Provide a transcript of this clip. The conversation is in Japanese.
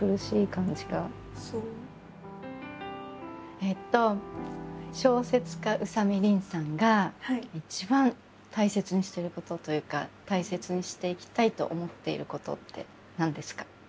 えっと小説家宇佐見りんさんが一番大切にしていることというか大切にしていきたいと思っていることって何ですか？